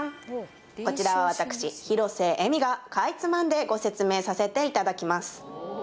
こちらは私広瀬絵美がかいつまんでご説明させていただきます